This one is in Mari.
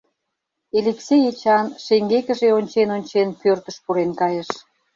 Элексей Эчан, шеҥгекыже ончен-ончен, пӧртыш пурен кайыш.